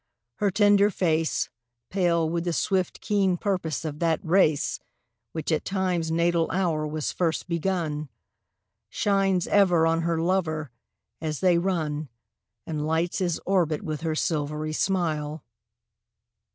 Her tender face, Pale with the swift, keen purpose of that race Which at Time's natal hour was first begun, Shines ever on her lover as they run And lights his orbit with her silvery smile.